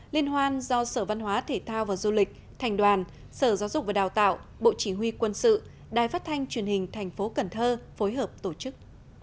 liên hoan do sở văn hóa thể thao và du lịch thành đoàn sở giáo dục và đào tạo bộ chỉ huy quân sự đài phát thanh truyền hình thành phố cần thơ phối hợp tổ chức